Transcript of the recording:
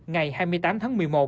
ngày hai mươi tám tháng một mươi một